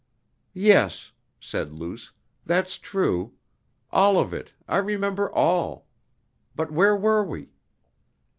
"Yes," said Luce, "that's true. All of it, I remember all.... But where were we?..."